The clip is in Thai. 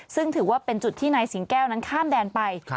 ซึ่งถือว่าเป็นจุดที่นายสิงแก้วนั้นข้ามแดนไป